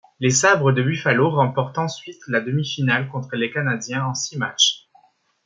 Les Sabres de Buffalo remportent ensuite la demi-finale contre les Canadiens en six matchs.